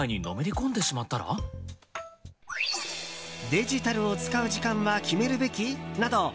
デジタルを使う時間は決めるべき？など